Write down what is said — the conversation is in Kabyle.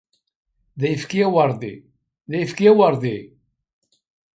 D ayefki aweṛdi, d ayefki aweṛdi!